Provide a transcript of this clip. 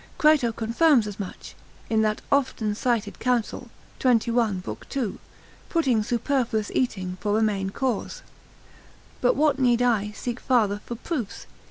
Crato confirms as much, in that often cited counsel, 21. lib. 2, putting superfluous eating for a main cause. But what need I seek farther for proofs?